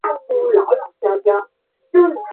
好奇的过去了解更多情况